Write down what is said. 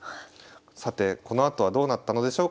さてこのあとはどうなったのでしょうか。